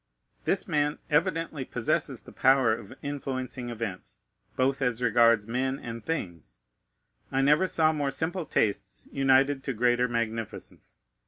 This man evidently possesses the power of influencing events, both as regards men and things. I never saw more simple tastes united to greater magnificence.